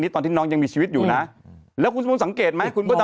นี้ตอนที่น้องยังมีชีวิตอยู่นะแล้วคุณสังเกตไหมคุณน้อง